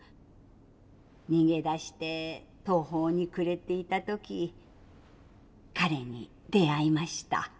逃げ出して途方に暮れていた時彼に出会いました。